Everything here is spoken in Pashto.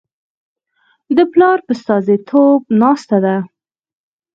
د پلار په استازیتوب ناسته ده.